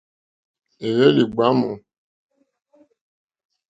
Éhwélì ɡbámù.